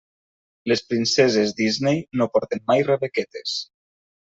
Les princeses Disney no porten mai rebequetes.